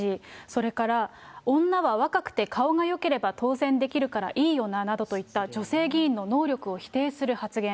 それから、女は若くて顔がよければ当選できるからいいよななどといった女性議員の能力を否定する発言。